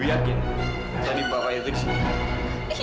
bi yakin tadi bapaknya pergi dari sini